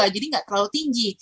jadi nggak terlalu tinggi